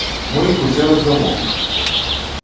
Мы іх усе раздамо.